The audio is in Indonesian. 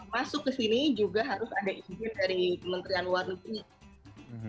masuk ke sini juga harus ada izin dari kementerian luar negeri